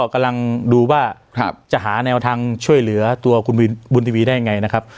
กำลังดูว่าจะหาแนวทางช่วยเหลือตัวคุณบุญทีวีได้ยังไงนะครับ